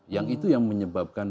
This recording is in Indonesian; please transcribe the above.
yang itu yang menyebabkan